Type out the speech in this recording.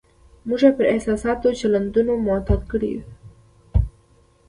موږ یې پر احساساتي چلندونو معتاد کړي یو.